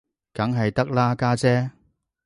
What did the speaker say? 梗係得啦，家姐